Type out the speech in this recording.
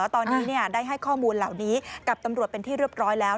ตอนนี้ได้ให้ข้อมูลเหล่านี้กับตำรวจเป็นที่เรียบร้อยแล้ว